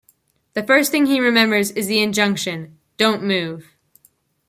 The first thing he remembers is the injunction: "Don't move".